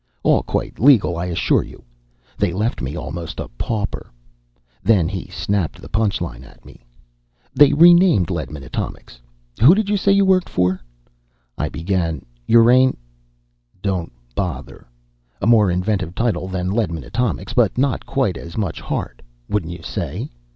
All quite legal, I assure you. They left me almost a pauper!" Then he snapped the punchline at me. "They renamed Ledman Atomics. Who did you say you worked for?" I began, "Uran " "Don't bother. A more inventive title than Ledman Atomics, but not quite as much heart, wouldn't you say?"